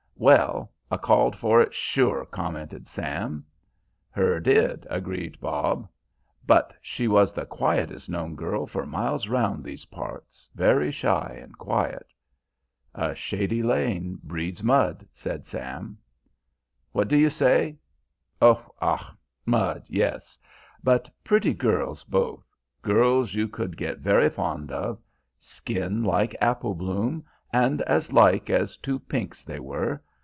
"Well, a' called for it sure," commented Sam. "Her did," agreed Bob, "but she was the quietest known girl for miles round those parts, very shy and quiet." "A shady lane breeds mud," said Sam. "What do you say? O ah! mud, yes. But pretty girls both, girls you could get very fond of, skin like apple bloom, and as like as two pinks they were.